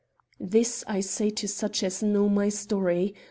"This I say to such as know my story.